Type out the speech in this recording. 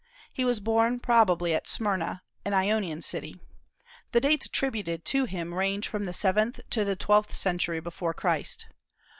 He was born, probably, at Smyrna, an Ionian city; the dates attributed to him range from the seventh to the twelfth century before Christ.